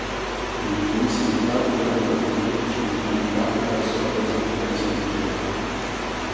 In giovanissima età ottenne dal pontefice un canonicato presso la basilica di San Pietro.